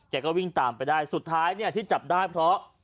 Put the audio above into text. ก็วิ่งตามไปได้สุดท้ายเนี่ยที่จับได้เพราะ